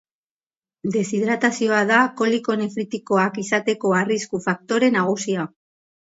Deshidratazioa da koliko nefritikoak izateko arrisku faktore nagusia.